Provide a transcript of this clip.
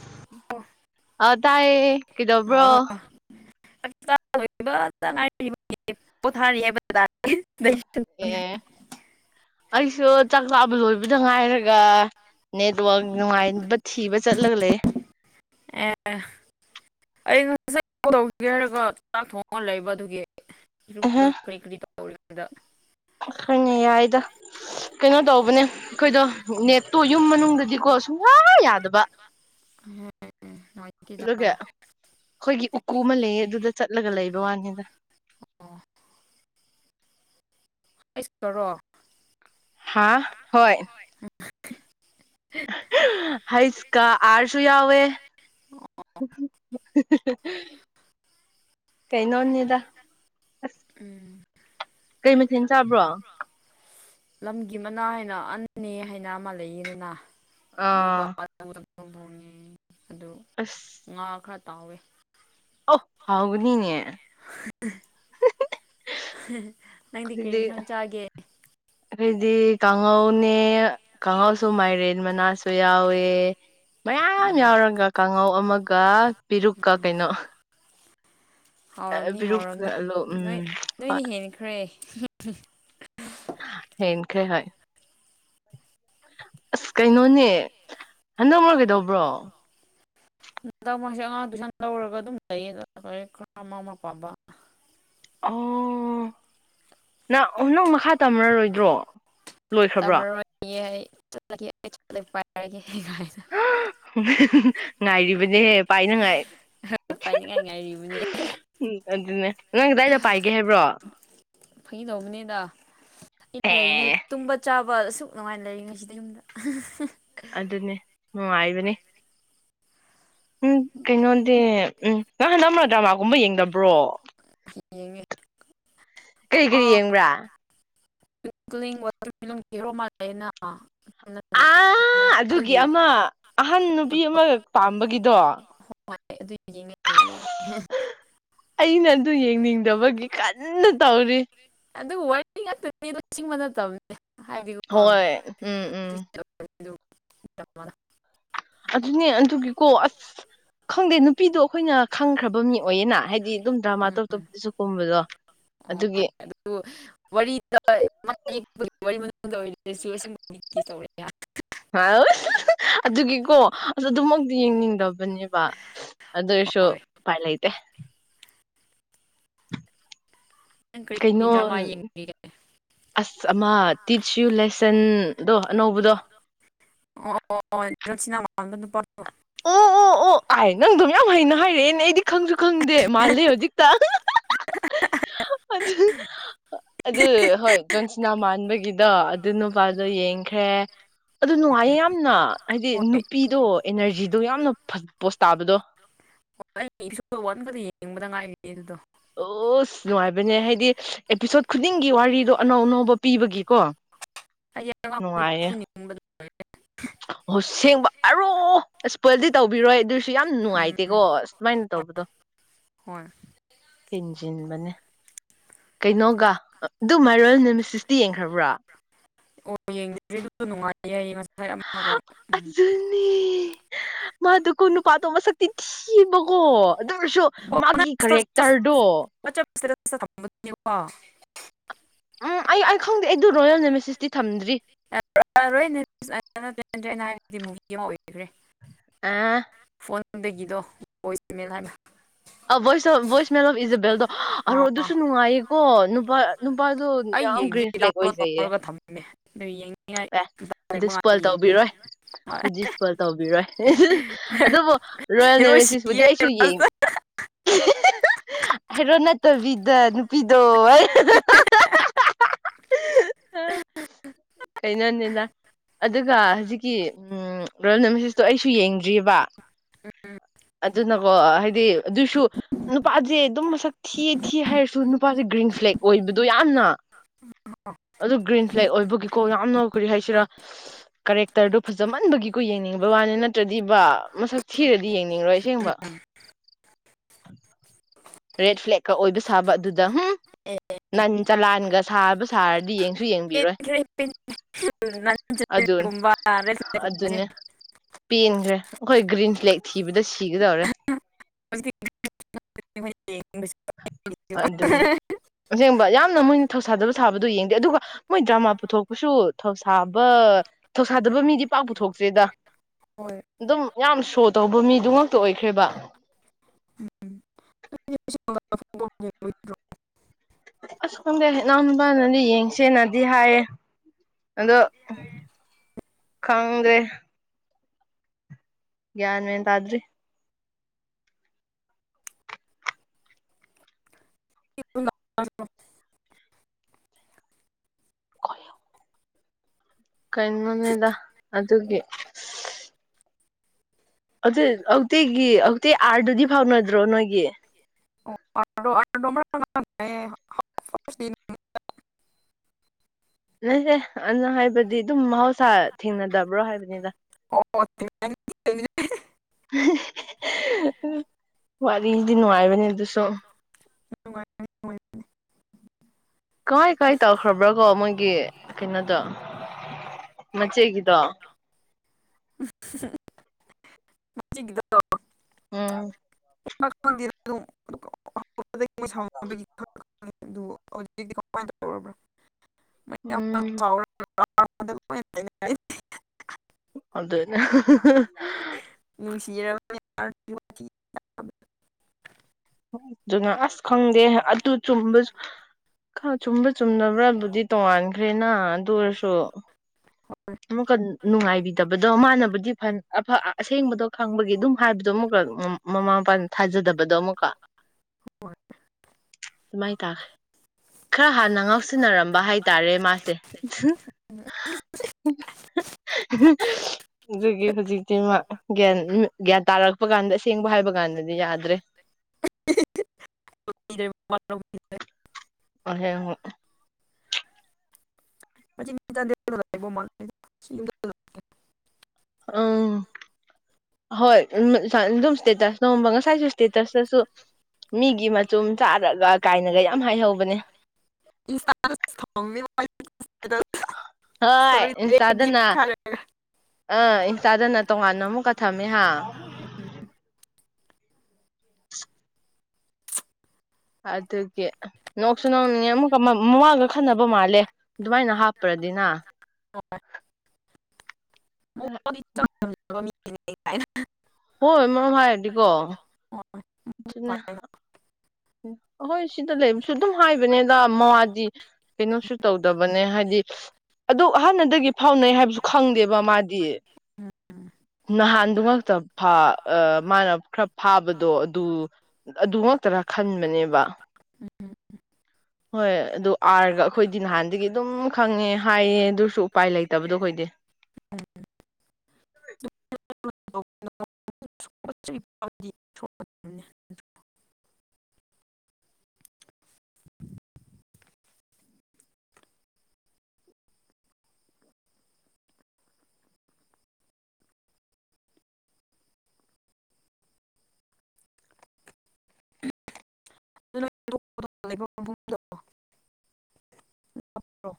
[unintelligible] ꯑ ꯇꯥꯏꯌꯦ ꯀꯩꯗꯧꯕ꯭ꯔꯣ ꯑꯣ [inaudible] ꯑꯦ ꯑꯩꯁꯨ ꯆꯥꯛ ꯆꯥꯕ ꯂꯣꯏꯕꯗ ꯉꯥꯏꯔꯒ ꯅꯦꯠꯋꯥꯛ ꯅꯨꯡꯉꯥꯏꯟꯕ ꯊꯤꯕ ꯆꯠꯂꯒ ꯂꯩꯌꯦ [inaudible] [inaudible] ꯍꯣꯏꯅꯦ ꯌꯥꯏꯗ ꯀꯩꯅꯣ ꯇꯧꯕꯅꯦ ꯑꯈꯣꯏꯗꯣ ꯅꯦꯠꯇꯣ ꯌꯨꯝ ꯃꯅꯨꯡꯗꯗꯤꯀꯣ ꯁꯨꯡꯋꯥ ꯌꯥꯗꯕ [unintelligible] ꯅꯨꯡꯉꯥꯏꯇꯦꯗ ꯂꯒ ꯑꯣ ꯑꯈꯣꯏꯒꯤ ꯎꯀꯨ ꯑꯃ ꯂꯩꯌꯦ ꯑꯗꯨꯗ ꯆꯠꯂꯒ ꯂꯩꯕ ꯋꯥꯅꯤꯗ [inaudible] ꯍꯥꯥ ꯍꯣꯏ [inaudible] ꯍꯩꯁꯀꯥ ꯍꯩꯒ ꯑꯥ꯭ꯔꯁꯨꯨ ꯑꯥꯔꯁꯨ ꯌꯥꯎꯋꯦ ꯍꯤ ꯍꯤ ꯍꯤ ꯀꯩꯅꯣꯅꯤꯗ ꯑꯁ ꯎꯝ ꯀꯩ ꯃꯊꯦꯟ ꯆꯥꯕ꯭ꯔꯣ ꯂꯝꯒꯤ ꯃꯅꯥ ꯍꯥꯏꯅ ꯑꯟꯅꯦ ꯍꯥꯏꯅ ꯑꯃ ꯂꯩꯏꯗꯅ ꯑꯗꯨꯒ ꯑꯥ [unintelligible] ꯑꯗꯨ ꯉꯥ ꯈ꯭ꯔ ꯇꯥꯎꯋꯦ ꯑꯣ ꯍꯥꯎꯒꯅꯤꯅꯦ ꯍꯥꯎꯕꯅꯤꯅꯦ ꯍꯦꯍꯦ ꯅꯪꯗꯤ ꯀ꯭ꯔꯤ ꯑꯗꯨꯗꯤ ꯏꯟꯁꯥꯡ ꯆꯥꯒꯦ ꯑꯩꯈꯣꯏꯗꯤ ꯀꯥꯡꯍꯧꯅꯦ ꯀꯥꯡꯉꯧꯅꯦ ꯀꯥꯡꯍꯧꯁꯨ ꯃꯥꯏꯔꯦꯟ ꯃꯅꯥꯁꯨ ꯌꯥꯎꯋꯦ ꯃꯌꯥꯝ ꯌꯥꯎꯔꯒ ꯀꯥꯡꯉꯧ ꯑꯃꯒ ꯄꯦꯔꯨꯛꯀ ꯀꯩꯅꯣ ꯍꯥꯎꯔꯝꯅꯤ ꯄꯤꯔꯨꯛꯀ ꯍꯥꯎꯔꯝꯅꯤ ꯅꯣꯏ ꯎꯝ ꯍꯣꯏ ꯅꯣꯏꯅ ꯍꯦꯟꯈ꯭ꯔꯦ ꯍꯦꯟꯈ꯭ꯔꯦ ꯍꯣꯢ ꯑꯁ ꯀꯩꯅꯣꯅꯦ ꯍꯟꯗꯛ ꯃꯔꯛ ꯀꯩꯗꯧꯕ꯭ꯔꯣ ꯗꯥ ꯃꯣꯏꯁꯦ ꯑꯉꯥꯡ ꯇꯨꯏꯁꯟ ꯂꯧꯔꯒ ꯑꯗꯨꯝ ꯂꯩꯌꯦꯗ ꯈꯔꯦ ꯈꯔ ꯑꯃ ꯑꯃ ꯄꯥꯝꯕ ꯑꯣ ꯅꯪ ꯑꯣ ꯅꯪ ꯃꯈꯥ ꯇꯝꯔꯔꯣꯏꯗ꯭ꯔꯣ ꯇꯝꯔꯔꯣꯏꯌꯦ ꯑꯩ ꯆꯠꯂꯒꯦ ꯑꯩ ꯆꯠꯂꯒ ꯄꯥꯔꯒꯦ [unintelligible] ꯉꯥꯏꯔꯤꯕꯅꯦꯍꯦ ꯄꯥꯏꯅꯉꯥꯏ ꯄꯥꯏꯅꯤꯡꯉꯥꯏ ꯉꯥꯏꯔꯤꯕꯅꯦ ꯎꯝ ꯑꯗꯨꯅꯦ ꯅꯪ ꯀꯗꯥꯏꯗ ꯄꯥꯏꯒꯦ ꯍꯥꯏꯕ꯭ꯔꯣ ꯐꯥꯒꯤ ꯇꯧꯕꯅꯦꯗꯥ ꯑꯩ ꯂꯩꯅ ꯑꯦ ꯇꯨꯝꯕ ꯆꯥꯕ ꯕ ꯑꯁꯨꯛ ꯅꯨꯡꯉꯥꯏꯅ ꯂꯩꯔꯤꯉꯩꯁꯤꯗ ꯌꯨꯝꯗ ꯑꯗꯨꯅꯦ ꯅꯨꯡꯉꯥꯏꯕꯅꯦ ꯎꯝ ꯀꯩꯅꯣꯗꯤ ꯎꯝ ꯅꯪ ꯍꯟꯗꯛ ꯃꯔꯛ ꯗ꯭ꯔꯃꯥ ꯒꯨꯝꯕ ꯌꯦꯡꯗꯕ꯭ꯔꯣ ꯌꯦꯡꯉꯦ ꯀꯔꯤ ꯀꯔꯤ ꯌꯦꯡꯕ꯭ꯔꯥ ꯀ꯭ꯂꯤꯡ ꯀ꯭ꯂꯤꯡ ꯋꯥꯇꯔꯃꯦꯂꯣꯟꯒꯤ ꯍꯦꯔꯣ ꯃꯥꯜꯂꯦꯅꯥ ꯑꯥ ꯑꯗꯨꯒꯤ ꯑꯃ ꯑꯍꯟ ꯅꯨꯄꯤ ꯑꯃ ꯄꯥꯝꯕꯒꯤꯗꯣ ꯍꯣꯢ ꯑꯗꯨ ꯌꯦꯡꯉ ꯂꯩꯌꯦ ꯑꯩꯅ ꯑꯗꯨ ꯌꯦꯡꯅꯤꯡꯗꯕꯒꯤ ꯀꯟꯅ ꯇꯧꯔꯤ ꯑꯗꯨꯒ ꯋꯥꯔꯤ ꯉꯥꯛꯇꯅꯤꯗꯣ ꯆꯤꯡꯕ ꯅꯠꯇꯝꯅꯦ ꯍꯣꯏ ꯎꯝ ꯎꯝ [unintelligible] ꯑꯗꯨꯅꯦ ꯑꯗꯨꯒꯤꯀꯣ ꯑꯁ ꯈꯪꯗꯦ ꯅꯨꯄꯤꯗꯣ ꯑꯈꯣꯏꯅ ꯈꯪꯈ꯭ꯔꯕ ꯃꯤ ꯑꯣꯏꯌꯦꯅꯥ ꯍꯥꯏꯗꯤ ꯑꯗꯨꯝ ꯗ꯭ꯔꯃꯥ ꯇꯣꯞ ꯇꯣꯞꯄꯗꯁꯨ ꯀꯨꯝꯕꯗꯣ ꯑꯣ ꯑꯗꯨꯒꯤ ꯑꯗꯨ ꯋꯥꯔꯤꯗ [unintelligible] ꯑꯩꯁꯨ ꯑꯁꯦꯡꯕꯅꯤ ꯀꯤꯁ ꯇꯧꯔꯦ ꯑꯗꯨꯒꯤꯀꯣ ꯑꯁ ꯑꯗꯨꯃꯛꯇꯤ ꯌꯦꯡꯅꯤꯡꯗꯕꯅꯦꯕ ꯑꯗꯨ ꯑꯣꯢꯔꯁꯨ ꯍꯣꯏ ꯎꯄꯥꯏꯂꯩꯇꯦ ꯅꯪ ꯀꯔꯤ ꯀꯔꯤ ꯀꯩꯅꯣ ꯗ꯭ꯔꯃꯥ ꯌꯦꯡꯂꯤꯒꯦ ꯑꯁ ꯑꯃ ꯇꯤꯠꯁ ꯌꯨ ꯂꯦꯁꯟ ꯗꯣ ꯑꯅꯧꯕꯗꯣ [unintelligible] ꯅꯨꯄꯥꯗꯣ ꯑꯣ ꯑꯣ ꯑꯣ ꯑꯥꯏ ꯅꯪꯗꯣ ꯃꯌꯥꯝ ꯍꯩꯅ ꯍꯥꯏꯔꯛꯑꯦꯅꯦ ꯑꯩꯗꯤ ꯈꯪꯖꯨ ꯈꯪꯗꯦ ꯃꯥꯜꯂꯦ ꯍꯨꯖꯤꯛꯇ ꯑꯗꯨ ꯑꯗꯨ ꯍꯣꯏ ꯖꯣꯟꯁꯅꯥ ꯃꯥꯟꯕꯒꯤ ꯗꯣ ꯑꯗꯨ ꯅꯨꯄꯥꯗꯣ ꯌꯦꯡꯈ꯭ꯔꯦ ꯑꯗꯨ ꯅꯨꯡꯉꯥꯏꯌꯦ ꯌꯥꯝꯅ ꯍꯥꯏꯗꯤ ꯅꯨꯄꯤꯗꯣ ꯑꯦꯅꯔꯖꯤ ꯑꯣ ꯑꯩꯗꯤ ꯢꯄꯤꯁꯣꯠ ꯋꯥꯟ ꯇꯛꯇ ꯌꯦꯡꯕꯗ ꯉꯥꯏꯔꯤꯌꯦ ꯑꯗꯨꯗꯣ ꯑꯣꯁ ꯅꯨꯡꯉꯥꯏꯕꯅꯦ ꯍꯥꯏꯗꯤ ꯑꯦꯄꯤꯁꯣꯠ ꯈꯨꯗꯤꯡꯒꯤ ꯋꯥꯔꯤꯗꯣ ꯑꯅꯧ ꯑꯅꯧꯕ ꯄꯤꯕꯒꯤꯀꯣ ꯑꯩꯗꯤ ꯑꯉꯥꯡꯗꯣ ꯅꯨꯡꯉꯥꯏꯌꯦ ꯐꯨꯅꯤꯡꯕꯗ ꯂꯣꯢꯔꯦ ꯑꯣ ꯁꯦꯡꯕ ꯑꯔꯣ ꯑꯁ ꯁ꯭ꯄꯣꯏꯜꯗꯤ ꯇꯧꯕꯤꯔꯣꯏ ꯑꯗꯨꯏꯁꯨ ꯌꯥꯝ ꯎꯝ ꯅꯨꯡꯉꯥꯏꯇꯦꯀꯣ ꯑꯁꯨꯃꯥꯏꯟ ꯇꯧꯕ ꯗꯣ ꯍꯣꯏ ꯍꯦꯟꯖꯤꯟꯕꯅꯦ ꯀꯩꯅꯣꯒꯥ ꯑ ꯑꯗꯨ ꯃꯥꯏꯔꯣꯜ ꯅꯨꯃꯤꯠꯁꯤꯁꯇꯤ ꯌꯦꯡꯈ꯭ꯔꯕ꯭ꯔꯥ ꯑꯣ ꯌꯦꯡꯗ꯭ꯔꯤ ꯑꯗꯨ ꯅꯨꯡꯉꯥꯏꯌꯦ ꯍꯥꯢꯌꯦ ꯉ ꯍꯥ ꯑꯗꯨꯅꯦ ꯃꯥꯗꯨꯀꯣ ꯅꯨꯄꯥꯗꯣ ꯃꯁꯛꯇꯤ ꯊꯤꯕꯀꯣ ꯑꯗꯨ ꯑꯣꯏꯔꯁꯨ ꯑꯣ ꯃꯥꯒꯤ ꯅꯪ ꯁ꯭ꯇꯦꯇꯁ ꯀꯦꯔꯦꯛꯇꯔꯗꯣ [unintelligible] ꯎꯝ ꯑꯩ ꯑꯩ ꯈꯪꯗꯦ ꯑꯩꯗꯨ ꯔꯣꯌꯦꯜꯅꯦ ꯃꯦꯁꯦꯁꯇꯤ ꯊꯝꯗ꯭ꯔꯤ [unintelligible] ꯍꯥꯏꯔꯗꯤ ꯃꯨꯚꯤ ꯑꯃ ꯑꯣꯏꯈ꯭ꯔꯦ ꯑꯥ ꯐꯣꯟꯗꯒꯤꯗꯣ ꯚꯣꯏꯁ ꯏꯃꯦꯜ ꯍꯥꯏꯃ ꯑ voice of voice mail of ꯏꯖꯥꯕꯦꯜꯗꯣ ꯑꯔꯣ ꯑꯥ ꯑꯗꯨꯁꯨ ꯅꯨꯡꯉꯥꯏꯌꯦꯀꯣ ꯅꯨꯄꯥ ꯅꯨꯄꯥꯗꯣ ꯌꯥꯝ ꯒ꯭ꯔꯤꯟ ꯐ꯭ꯂꯦꯛ ꯑꯣꯏꯖꯩꯌꯦ ꯂꯩꯌꯦꯡ ꯑꯦ ꯑꯗꯨ ꯁ꯭ꯄꯣꯢꯜ ꯇꯧꯕꯤꯔꯣꯏ ꯑꯗꯨꯗꯤ ꯁ꯭ꯄꯣꯢꯜ ꯇꯧꯕꯤꯔꯣꯏ ꯑꯗꯨꯕꯨ ꯔꯣꯌꯦꯜ ꯍꯦꯔꯣ ꯅꯦꯔꯦꯁꯤꯁꯕꯨꯨꯗꯤ ꯁꯤꯌꯦ ꯑꯩꯁꯨ ꯂꯥꯁꯇ ꯌꯦꯡꯉ ꯍꯦꯔꯣ ꯅꯠ ꯅꯠꯇꯕꯤꯗ ꯅꯨꯄꯤꯗꯣ ꯑꯩ [unintelligible] ꯀꯩꯅꯣꯅꯤꯅꯥ ꯑꯗꯨꯒ ꯍꯨꯖꯤꯛꯀꯤ ꯎꯝ ꯔꯣꯏꯜꯗ ꯃꯦꯁꯦꯁꯇꯨ ꯑꯩꯁꯨ ꯌꯦꯡꯗ꯭ꯔꯤꯌꯕ ꯎꯝ ꯎꯝ ꯑꯗꯨꯅꯀꯣ ꯍꯥꯏꯗꯤ ꯑꯗꯨꯁꯨ ꯅꯨꯄꯥꯖꯦ ꯑꯗꯨꯝ ꯃꯁꯛ ꯊꯤꯌꯦ ꯊꯤꯌꯦ ꯍꯥꯏꯔꯁꯨ ꯅꯨꯞ ꯅꯨꯄꯥꯖꯦ ꯒ꯭ꯔꯤꯟ ꯐ꯭ꯂꯦꯛ ꯑꯣꯏꯕꯗꯣ ꯌꯥꯝꯅ ꯑꯗꯨ ꯒ꯭ꯔꯤꯟ ꯐ꯭ꯂꯦꯛ ꯑꯣꯏꯕꯒꯤꯀꯣ ꯌꯥꯝꯅ ꯀꯔꯤ ꯍꯥꯏꯁꯤꯔꯥ ꯀꯔꯦꯛꯇꯔꯗꯨ ꯐꯖꯃꯟꯕꯒꯤꯀꯣ ꯌꯦꯡꯅꯤꯡꯕ ꯋꯥꯅꯤ ꯅꯠꯇ꯭ꯔꯗꯤꯕꯥ ꯃꯁꯛ ꯊꯤꯔꯗꯤ ꯌꯦꯡꯅꯤꯡꯔꯣꯏ ꯑꯁꯦꯡꯕ ꯔꯦꯠ ꯐ꯭ꯂꯦꯛꯀ ꯑꯣꯏꯕ ꯁꯥꯕ ꯑꯗꯨꯗ ꯍꯝ ꯅꯟꯆꯂꯥꯟꯒ ꯁꯥꯕ ꯁꯥꯔꯗꯤ ꯌꯦꯡ ꯁꯨ ꯌꯦꯡꯕꯤꯔꯣꯏ ꯑꯗꯨ [unintelligible] ꯒꯨꯝꯕꯥ ꯑꯗꯨꯅꯦ ꯄꯦꯟꯒ꯭ꯔꯦ ꯑꯈꯣꯏ ꯒ꯭ꯔꯤꯟ ꯐ꯭ꯂꯦꯛ ꯊꯤꯕꯗ ꯁꯤꯒꯗꯧꯔꯦ [unintelligible] ꯑꯗꯨꯅꯦ ꯑꯁꯦꯡꯕ ꯌꯥꯝꯅ ꯃꯣꯏꯅ ꯊꯧꯁꯥꯗꯕ ꯁꯥꯕꯗꯨ ꯌꯦꯡꯗꯦ ꯑꯗꯨꯒ ꯃꯣꯏ ꯗ꯭ꯔꯥꯃꯥ ꯄꯨꯊꯣꯛꯄꯁꯨ ꯊꯧꯁꯥꯕ ꯊꯧꯁꯥꯗꯕ ꯃꯤꯗꯤ ꯄꯥꯛ ꯄꯨꯊꯣꯛꯇ꯭ꯔꯦꯗ ꯑꯗꯨꯝ ꯌꯥꯝ ꯁꯣ ꯇꯧꯕ ꯃꯤ ꯑꯗꯨ ꯉꯥꯛꯇ ꯑꯣꯏꯈ꯭ꯔꯦꯕ [unintelligible] ꯑꯁ ꯈꯪꯗꯦ ꯅꯪ ꯃꯥꯅꯗꯤ ꯌꯦꯡꯁꯦꯅꯗꯤ ꯍꯥꯏꯌꯦ ꯑꯗꯣ ꯁꯪꯗ꯭ꯔꯦ ꯒ꯭ꯌꯥꯟ ꯃꯦꯟ ꯇꯥꯗ꯭ꯔꯤ [unintelligible] ꯀꯩꯅꯣꯅꯦꯗ ꯑꯗꯨꯒꯤ ꯑꯗꯨ ꯑꯧꯇꯤꯒꯤ ꯑꯧꯇꯤ ꯑꯥꯔꯗꯨꯗꯤ ꯐꯥꯎꯅꯗ꯭ꯔꯣ ꯅꯣꯏꯒꯤ [unintelligible] [unintelligible] ꯅꯠꯇꯦ ꯑꯗꯨꯅ ꯍꯥꯏꯕꯗꯤ ꯑꯗꯨꯝ ꯃꯍꯧꯁꯥ ꯑꯣ ꯊꯦꯡꯅꯗꯕ꯭ꯔꯣ ꯍꯥꯏꯕꯅꯦꯗ [unintelligible] ꯋꯥꯔꯤꯗꯤ ꯅꯨꯡꯉꯥꯏꯕꯅꯦ ꯑꯗꯨꯁꯨ ꯅꯨꯡꯉꯥꯏꯕꯅꯦ ꯅꯨꯡꯉꯥꯏꯕꯅꯦ ꯀꯃꯥꯏ ꯀꯃꯥꯏ ꯇꯧꯈ꯭ꯔꯕ꯭ꯔ ꯀꯣ ꯃꯣꯏꯒꯤ ꯀꯩꯅꯣꯗꯣ ꯃꯆꯦꯒꯤꯗꯣ [unintelligible] ꯃꯆꯦꯒꯤꯗꯣ ꯎꯝ ꯪ [inaudible] ꯎꯝ [inaudible] [inaudible] ꯑꯗꯨꯅ ꯍꯥ ꯍꯥ ꯍꯥꯥ ꯍꯥ [unintelligible] ꯑꯗꯨꯅ ꯑꯁ ꯈꯪꯗꯦ ꯑꯗꯨ ꯆꯨꯝꯕꯁ ꯈ ꯆꯨꯝꯕꯁ ꯆꯨꯝꯗꯕ꯭ꯔꯥꯕꯨꯗꯤ ꯇꯣꯡꯉꯥꯟꯈ꯭ꯔꯦꯅ ꯑꯗꯨ ꯑꯣꯏꯔꯁꯨ ꯑꯃꯨꯛꯀ ꯅꯨꯡꯉꯥꯏꯕꯤꯗꯕꯗꯣ ꯃꯥꯟꯅꯕꯨꯗꯤ ꯐ ꯑꯐ ꯑꯁꯦꯡꯕꯗꯣ ꯈꯪꯕꯒꯤ ꯗꯨꯝ ꯍꯥꯏꯕꯗꯣ ꯑꯃꯨꯛꯀ ꯎꯝ ꯃꯃꯥ ꯃꯄꯥꯅ ꯊꯥꯖꯗꯕꯗꯣ ꯑꯃꯨꯛꯀ ꯑꯗꯨꯃꯥꯏꯟ ꯇꯥꯈ꯭ꯔꯦ ꯈꯔ ꯍꯥꯟꯅ ꯉꯥꯎꯁꯤꯟꯅꯔꯝꯕ ꯍꯥꯏꯇꯥꯔꯦ ꯃꯥꯁꯦ [unintelligible] ꯗꯨꯒꯤ ꯍꯨꯖꯤꯛꯇꯤ ꯃꯥ ꯒ꯭ꯌꯥꯟ ꯒ꯭ꯌꯥꯟ ꯇꯥꯔꯛꯄ ꯀꯥꯟꯗ ꯑꯁꯦꯡꯕ ꯍꯥꯏꯕ ꯀꯥꯟ ꯀꯥꯟꯗꯗꯤ ꯌꯥꯗ꯭ꯔꯦ [inaudible] ꯑꯁꯦꯡꯕ [unintelligible] ꯑꯝ ꯍꯣꯏ [unintelligible] ꯁ꯭ꯇꯦꯇ꯭ꯁ ꯅꯣꯝꯕ ꯉꯁꯥꯏꯁꯨ ꯁ꯭ꯇꯦꯇ꯭ꯁꯇꯁꯨ ꯌꯥꯝ ꯍꯥꯏꯍꯧꯕꯅꯦ [inaudible] ꯍꯣꯏ ꯏꯟꯁꯇꯥꯗꯅ ꯑꯥ ꯏꯟꯁꯇꯥꯗꯅ ꯇꯣꯡꯉꯥꯟꯅ ꯑꯃꯨꯛꯀ ꯊꯝꯃꯦꯍꯥ ꯑꯗꯨꯒꯤ ꯅꯣꯛꯁꯨ ꯅꯣꯛꯄꯤꯡꯉꯦ ꯑꯃꯨꯛꯀ ꯃꯥ ꯃꯥꯃꯥꯒ ꯈꯟꯅꯕ ꯃꯥꯜꯂꯦ ꯑꯗꯨꯃꯥꯏꯅ ꯍꯥꯞꯄ꯭ꯔꯗꯤꯅ [inaudible] [inaudible] ꯍꯣꯏ [unintelligible] ꯑꯍꯣꯏ ꯁꯤꯗ ꯂꯩꯕꯁꯨ ꯑꯗꯨꯝ ꯍꯥꯏꯕꯅꯦꯗ ꯃꯋꯥꯗꯤ ꯀꯩꯅꯣꯁꯨ ꯇꯧꯗꯕꯅꯦ ꯍꯥꯏꯗꯤ ꯑꯗꯨ ꯍꯥꯟꯅꯗꯒꯤ ꯐꯥꯎꯅꯩ ꯍꯥꯏꯕꯁꯨ ꯈꯪꯗꯦꯕ ꯃꯥꯗꯤ ꯅꯍꯥꯟꯗꯨ ꯉꯛꯇ ꯐꯥ ꯑꯥ ꯃꯥꯅ ꯈꯔ ꯐꯥꯕꯗꯣ ꯑꯗꯨ ꯑꯗꯨꯉꯛ ꯇꯔꯥ ꯈꯟꯕꯅꯦꯕ [unintelligible] ꯍꯣꯏ ꯑꯗꯨ ꯑꯥꯔꯒ ꯑꯈꯣꯏꯗꯤ ꯅꯍꯥꯟꯗꯒꯤ ꯑꯗꯨꯝ ꯈꯪꯉꯦ ꯍꯥꯏꯌꯦ ꯑꯗꯨꯁꯨ ꯎꯄꯥꯏ ꯂꯩꯇꯕꯗꯣ ꯑꯈꯣꯏꯗꯤ [inaudible] [inaudible] [inaudible]